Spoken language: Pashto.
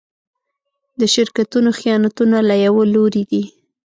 د شرکتونو خیانتونه له يوه لوري دي.